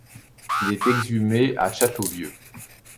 Il est inhumé à Châteauvieux.